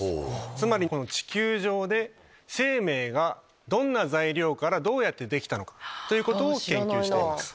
つまり地球上で生命がどんな材料からどうやってできたのかを研究しています。